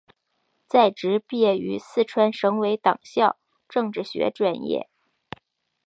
在职毕业于四川省委党校政治学专业。